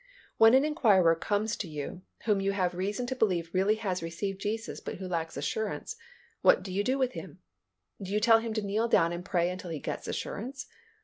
When an inquirer comes to you, whom you have reason to believe really has received Jesus but who lacks assurance, what do you do with him? Do you tell him to kneel down and pray until he gets assurance?